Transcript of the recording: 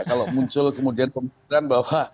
kalau muncul kemudian pemikiran bahwa